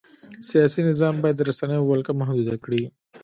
سیاسي نظام باید د رسنیو ولکه محدوده کړي.